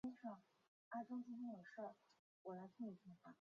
我们不容忍对自由的挑衅。